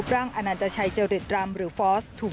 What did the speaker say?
วันที่สุด